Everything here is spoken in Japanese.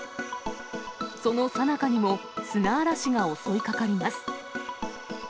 そのさなかにも砂嵐が襲いかかります。